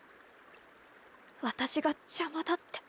私が邪魔だって。